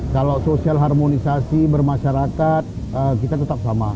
kalau sosial harmonisasi bermasyarakat kita tetap sama